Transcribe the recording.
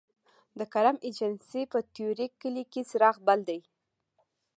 د کرم ایجنسۍ په طوري کلي کې څراغ بل دی